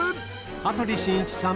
羽鳥慎一さん